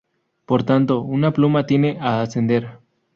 Por tanto, una pluma tiende a ascender.